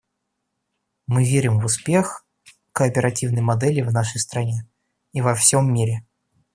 Мы верим в успех кооперативной модели в нашей стране и во всем мире.